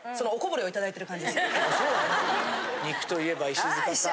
肉といえば石塚さん。